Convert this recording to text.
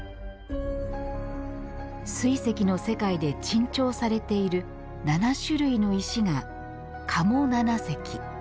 水石の世界で珍重されている７種類の石が、加茂七石。